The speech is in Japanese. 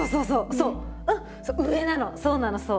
そうなのそう。